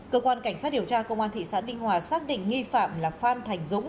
cơ quan cảnh sát điều tra công an thị xã ninh hòa xác định nghi phạm là phan thành dũng